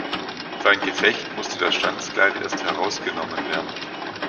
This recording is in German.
Für ein Gefecht musste das Schanzkleid erst herausgenommen werden.